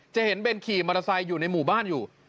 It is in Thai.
จะเห็นเบนขี่มอเตอร์ไซค์อยู่ในหมู่บ้านอยู่